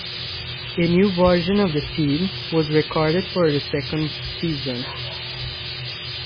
A new version of the theme was recorded for the second season.